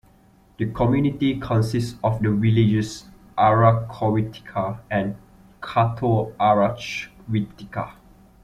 The community consists of the villages Arachovitika and Kato Arachovitika.